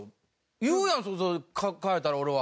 言うやん変えたら俺は。